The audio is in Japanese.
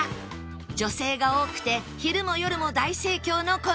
女性が多くて昼も夜も大盛況のこのお店